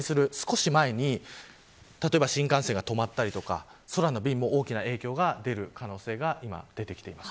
接近する少し前に例えば新幹線が止まったりとか空の便も大きな影響が出る可能性が今出てきています。